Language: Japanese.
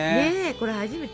これ初めて。